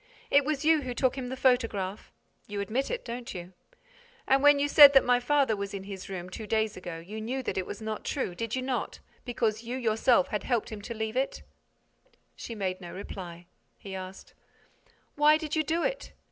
It was you who took him the photograph? You admit it, don't you? And, when you said that my father was in his room, two days ago, you knew that it was not true, did you not, because you yourself had helped him to leave it—?" She made no reply. He asked: "Why did you do it?